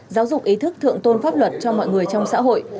giáo dục ý thức thượng tôn pháp luật cho mọi người trong xã hội